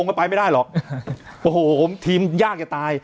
มันไปไม่ได้หรอกโอ้โหทีมยากอย่าตาย